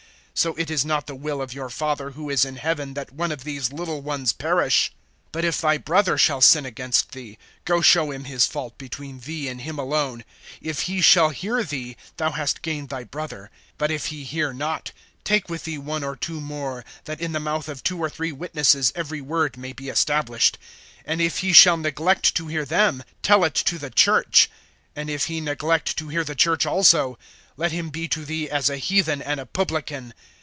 (14)So it is not the will of your Father who is in heaven, that one of these little ones perish. (15)But if thy brother shall sin against thee, go show him his fault between thee and him alone, If he shall hear thee, thou hast gained thy brother. (16)But if he hear not, take with thee one or two more, that in the mouth of two or three witnesses every word may be established. (17)And if he shall neglect to hear them, tell it to the church; and if he neglect to hear the church also, let him be to thee as a heathen and a publican.